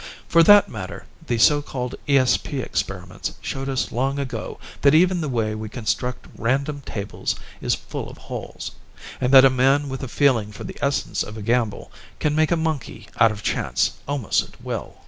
For that matter, the so called ESP experiments showed us long ago that even the way we construct random tables is full of holes and that a man with a feeling for the essence of a gamble can make a monkey out of chance almost at will.